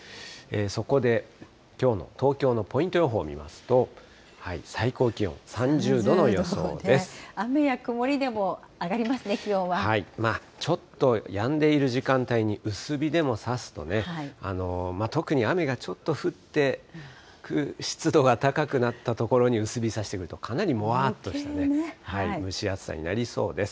そこで、きょうの東京のポイント予報を見ますと、最高気温３０度雨や曇りでも上がりますね、ちょっとやんでいる時間帯に薄日でもさすとね、特に雨がちょっと降って、湿度が高くなった所に薄日さしてくると、かなりもわっとした蒸し暑さになりそうです。